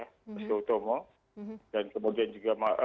prestio tomo dan kemudian juga